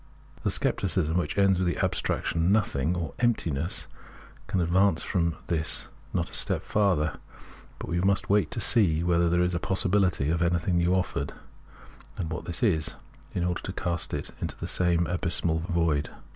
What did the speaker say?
The scep ticism which ends with the abstraction " nothing " or " emptiness " can advance from this not a step farther, but must wait and see whether there is possibly anything new offered, and what that is, — in order to cast it into the same abysmal void.